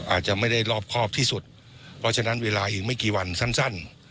อาจจะไม่ได้รอบครอบที่สุดเพราะฉะนั้นเวลาอีกไม่กี่วันสั้น